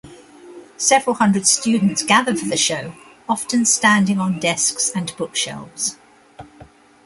Several hundred students gather for the show, often standing on desks and bookshelves.